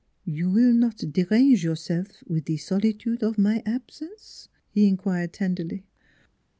" You will not derange yourself with the soli tude of my absence ?" he inquired tenderly.